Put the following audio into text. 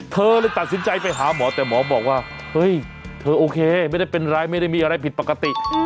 เธอเลยตัดสินใจไปหาหมอแต่หมอบอกว่าเฮ้ยเธอโอเคไม่ได้เป็นไรไม่ได้มีอะไรผิดปกติ